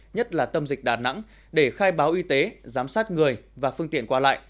nhất là tâm dịch đà nẵng để khai báo y tế giám sát người và phương tiện qua lại